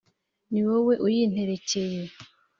Ni wowe uyinterekeye